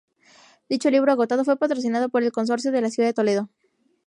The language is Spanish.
Dicho libro, agotado, fue patrocinado por el Consorcio de la Ciudad de Toledo.